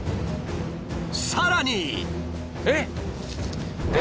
さらに。